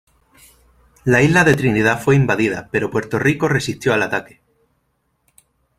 La isla de Trinidad fue invadida pero Puerto Rico resistió el ataque.